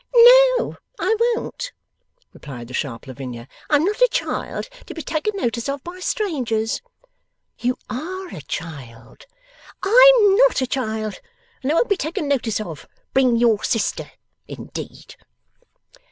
'No, I won't,' replied the sharp Lavinia. 'I'm not a child, to be taken notice of by strangers.' 'You ARE a child.' 'I'm not a child, and I won't be taken notice of. "Bring your sister," indeed!